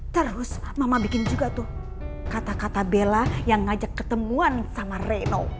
terus mama bikin juga tuh kata kata bella yang ngajak ketemuan sama reno